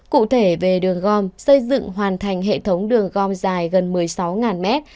cụ thể về đường gom xây dựng hoàn thành hệ thống đường gom dài gần một mươi sáu mét